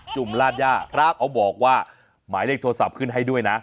ุ่มลาดย่าพระเขาบอกว่าหมายเลขโทรศัพท์ขึ้นให้ด้วยนะ